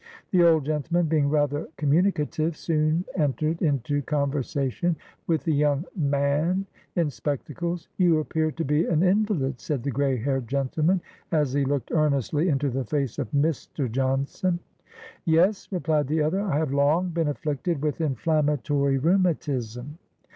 The old gentleman, being rather communicative, soon entered into conversation with the young man in spectacles. " You appear to be an invalid, ;' said the gray haired gentleman, as he looked earnestly into the face of Mr. AN AMERICAN BONDMAN, 79 Johnson. "Yes," replied the other, "I have long been afflicted with inflammatory rheumatism."